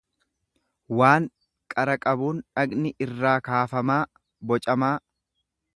waan qara qabuun dhaqni irraa kaafamaa, bocamaa.